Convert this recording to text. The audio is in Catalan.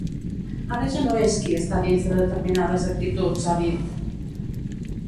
Ara ja no és qui està dins de determinades actituds, ha dit.